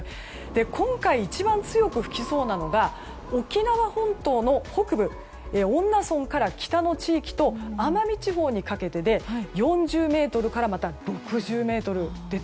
今回、一番強く吹きそうなのが沖縄本島の北部恩納村から北の地域と奄美地方にかけてで４０メートルから６０メートル。